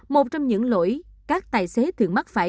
một trong những lỗi các tài xế thường mắc phải